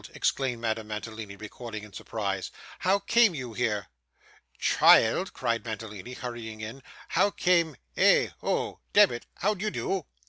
exclaimed Madame Mantalini, recoiling in surprise. 'How came you here?' 'Child!' cried Mantalini, hurrying in. 'How came eh! oh demmit, how d'ye do?